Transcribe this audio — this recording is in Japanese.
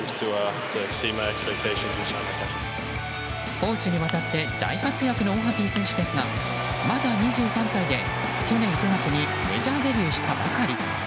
攻守にわたって大活躍のオハピー選手ですがまだ２３歳で、去年９月にメジャーデビューしたばかり。